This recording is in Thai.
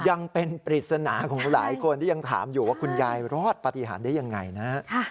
ยังเป็นปริศนาของหลายคนที่ยังถามอยู่ว่าคุณยายรอดปฏิหารได้ยังไงนะฮะ